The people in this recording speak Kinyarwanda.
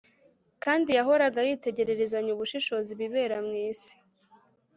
kandi yahoraga yitegerezanya ubushishozi ibibera mw’isi